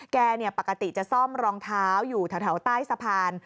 แกปกติจะซ่อมรองเท้าอยู่แถวใต้สะพาน